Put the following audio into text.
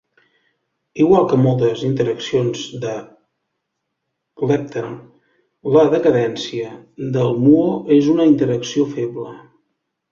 Igual que moltes interaccions de lepton, la decadència del muó és una interacció feble.